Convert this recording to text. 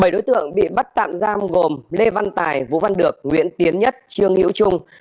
bảy đối tượng bị bắt tạm giam gồm lê văn tài vũ văn được nguyễn tiến nhất trương hữu trung